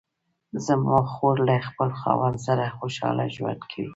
زما خور له خپل خاوند سره خوشحاله ژوند کوي